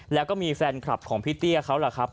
แล้วก็มีแฟนคลับของพี่เตี้ยเขา